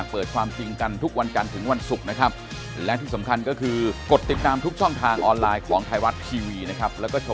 เปิดกันตรงนี้แหละ